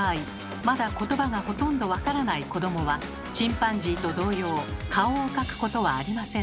まだことばがほとんどわからない子どもはチンパンジーと同様顔を描くことはありませんでした。